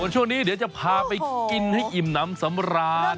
ช่วงนี้เดี๋ยวจะพาไปกินให้อิ่มน้ำสำราญ